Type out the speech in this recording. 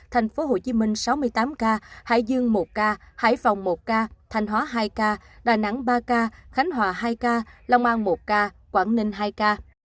thành phố hồ chí minh sáu mươi tám ca hải dương một ca hải phòng một ca thành hóa hai ca đà nẵng ba ca khánh hòa hai ca lòng an một ca quảng ninh hai ca